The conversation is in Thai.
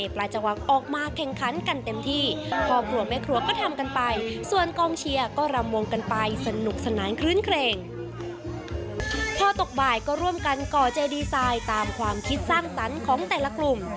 พอตกบ่ายก็ร่วมกันก่อเจดีไซน์ตามความคิดสร้างสรรค์ของแต่ละกลุ่ม